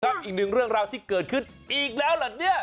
อีกหนึ่งเรื่องราวที่เกิดขึ้นอีกแล้วล่ะเนี่ย